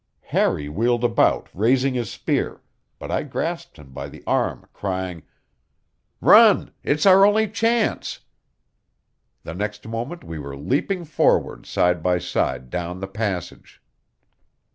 Harry wheeled about, raising his spear, but I grasped him by the arm, crying, "Run; it's our only chance!" The next moment we were leaping forward side by side down the passage.